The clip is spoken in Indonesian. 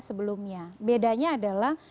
sebelumnya bedanya adalah